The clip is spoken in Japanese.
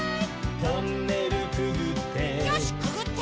「トンネルくぐって」